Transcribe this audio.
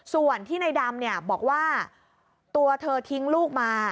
ส่วนที่ในดำบอกว่าตัวเธอทิ้งลูกมา